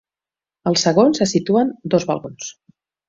Al segon se situen dos balcons.